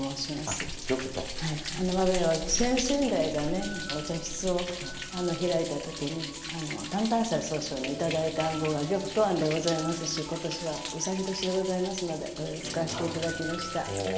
我が家は先先代がねお茶室を開いた時に淡々斎宗匠に頂いた庵号が「玉兎庵」でございますし今年は卯年でございますのでこれを使わせて頂きました。